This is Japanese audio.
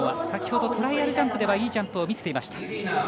先ほど、トライアルジャンプではいいジャンプ見せていました。